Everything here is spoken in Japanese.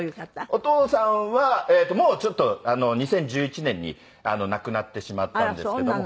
お父さんはもうちょっと２０１１年に亡くなってしまったんですけども。